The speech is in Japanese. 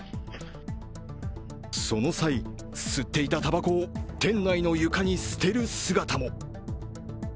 その際、吸っていたたばこを店内の床に捨てる姿も。